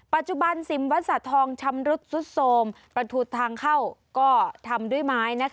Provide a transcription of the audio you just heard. ปัจจุบันสิมวัดสาธองชำรุดสุดโทรมประทูทางเข้าก็ทำด้วยไม้